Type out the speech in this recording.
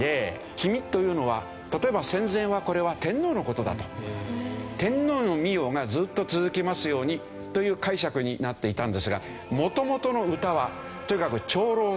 「君」というのは例えば天皇の御代がずーっと続きますようにという解釈になっていたんですが元々の歌はとにかく長老をね。